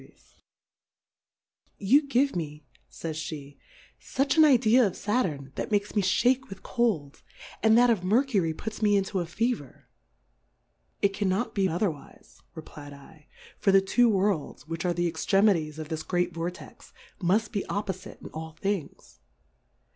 G 5 • You 130 Difcourfes on the You give me, fays Jhe^ fucli an Idea of Saturn^ that makes me ftiake with Cold, and that of Mercury^ puts me in to a Fever. It cannot be otherwife, reply d I, for the two Worlds, which are the Extremities of this great Vor tex, muft be oppofite in all Things.